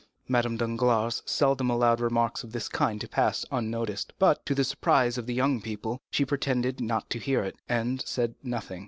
Madame Danglars seldom allowed remarks of this kind to pass unnoticed, but, to the surprise of the young people, she pretended not to hear it, and said nothing.